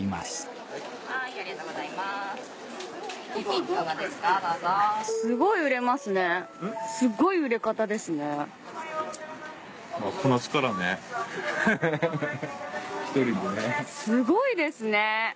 すごいですね。